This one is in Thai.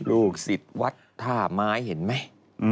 ลูกศิษย์วัดท่าไม้เห็นไหม